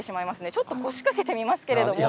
ちょっと腰かけてみますけれども。